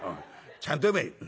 ちゃんと読め」。